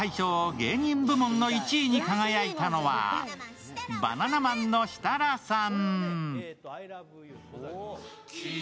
芸人部門の１位に輝いたのはバナナマンの設楽さん。